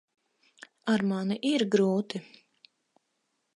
Ar mani ir grūti.